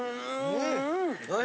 うん。